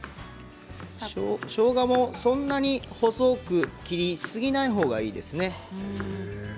しょうがも細く切りすぎないほうがいいですね。